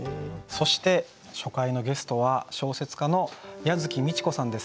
そして初回のゲストは小説家の椰月美智子さんです。